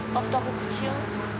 waktu aku kecil